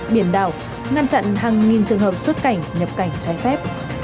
biển đảo ngăn chặn hàng nghìn trường hợp xuất cảnh nhập cảnh trái phép